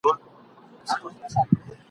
خدایه بیا به کله وینم خپل رنګین بیرغ منلی ..